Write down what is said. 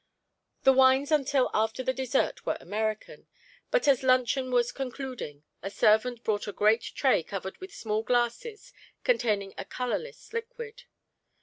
The wines until after the dessert were American; but as luncheon was concluding a servant brought a great tray covered with small glasses containing a colourless liquid.